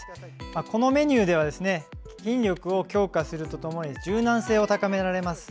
このメニューでは筋力を強化するとともに柔軟性も高められます。